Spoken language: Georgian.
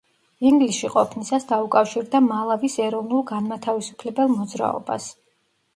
ინგლისში ყოფნისას დაუკავშირდა მალავის ეროვნულ-განმათავისუფლებელ მოძრაობას.